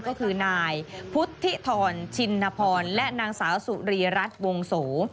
ก็คือนายพุทธิธรชินพรและนางสาวสุรีรัฐวงโส